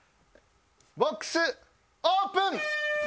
ボックスオープン！